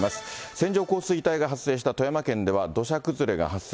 線状降水帯が発生した富山県では土砂崩れが発生。